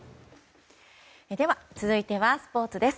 続いてはスポーツです。